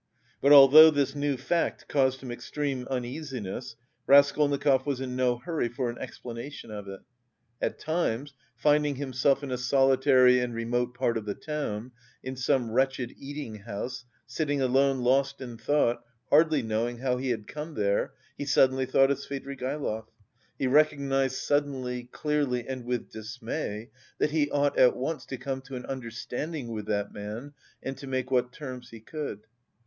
But although this new fact caused him extreme uneasiness, Raskolnikov was in no hurry for an explanation of it. At times, finding himself in a solitary and remote part of the town, in some wretched eating house, sitting alone lost in thought, hardly knowing how he had come there, he suddenly thought of Svidrigaïlov. He recognised suddenly, clearly, and with dismay that he ought at once to come to an understanding with that man and to make what terms he could.